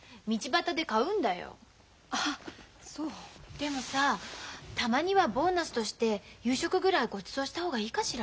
でもさたまにはボーナスとして夕食ぐらいごちそうした方がいいかしら。